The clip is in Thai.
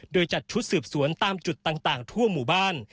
โดยจัดชุดสืบสวนตามจุดต่างทั่วหมู่บ้าน